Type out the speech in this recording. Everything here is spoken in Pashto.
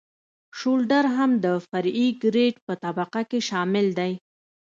شولډر هم د فرعي ګریډ په طبقه کې شامل دی